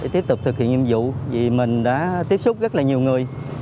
tiếp tục thực hiện nhiệm vụ vì mình đã tiếp xúc rất là nhiều người